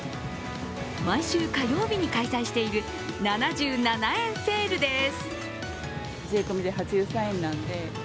毎週火曜日に開催している７７円セールです。